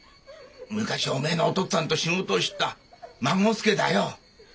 昔おめえのお父っつぁんと仕事をしてた孫助だよ。